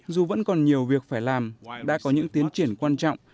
dù vẫn còn nhiều việc phải làm đã có những tiến triển quan trọng